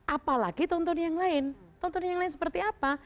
apalagi tontonan yang lain tontonan yang lain seperti apa